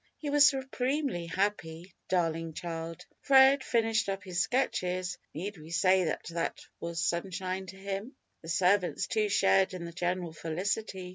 He was supremely happy "darling child." Fred finished up his sketches need we say that that was sunshine to him? The servants too shared in the general felicity.